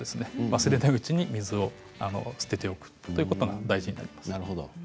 忘れないうちに水を捨てておくということが大事になります。